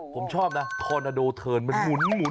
ผมชอบนะทอนาโดเทิร์นมันหมุน